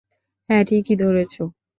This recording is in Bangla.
হ্যাঁ, ঠিকই ধরেছ।